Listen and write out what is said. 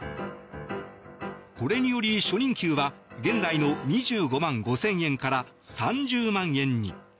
これにより初任給は現在の２５万５０００円から３０万円に。